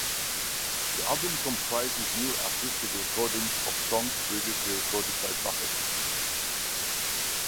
The album comprises new acoustic recordings of songs previously recorded by Buffett.